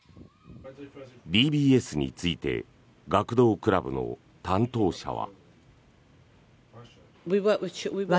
ＤＢＳについて学童クラブの担当者は。